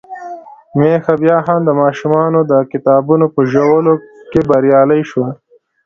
ميښه بيا هم د ماشومانو د کتابونو په ژولو کې بريالۍ شوه.